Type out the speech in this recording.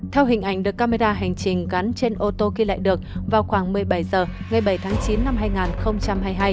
theo hình ảnh được camera hành trình gắn trên ô tô ghi lại được vào khoảng một mươi bảy h ngày bảy tháng chín năm hai nghìn hai mươi hai